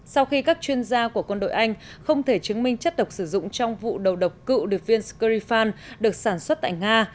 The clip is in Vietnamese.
sau khi các chuyên gia của quân đội anh không thể chứng minh chất độc sử dụng trong vụ đầu độc cựu điệp viên skrifan được sản xuất tại nga